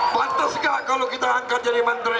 pantas nggak kalau kita angkat jadi menteri